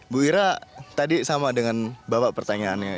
bu ira tadi sama dengan bapak pertanyaannya